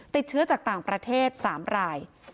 ติดเชื้อจากต่างประเทศ๓ราย